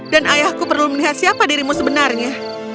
dan ayahku perlu melihat siapa dirimu sebenarnya